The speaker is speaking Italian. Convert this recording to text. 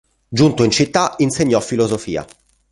Giunto in città insegnò filosofia.